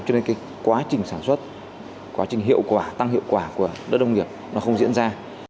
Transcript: cho nên cái quá trình sản xuất quá trình hiệu quả tăng hiệu quả của đất nông nghiệp nó không diễn ra